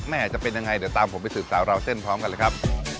จะเป็นยังไงเดี๋ยวตามผมไปสืบสาวราวเส้นพร้อมกันเลยครับ